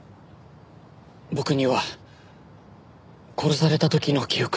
僕には殺された時の記憶しか。